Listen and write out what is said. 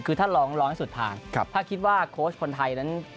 คือถ้าคิดว่าค้นคงร้องให้สุดทาง